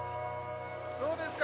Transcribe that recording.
どうですか？